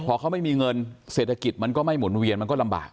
พอเขาไม่มีเงินเศรษฐกิจมันก็ไม่หมุนเวียนมันก็ลำบาก